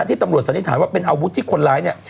ตำรวจสันนิษฐานว่าเป็นอาวุธที่คนร้ายเนี่ย